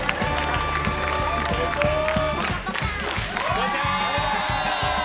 こんにちは！